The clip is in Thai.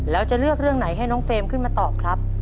แล้วจะเลือกเรื่องไหนให้น้องเฟรมขึ้นมาตอบครับ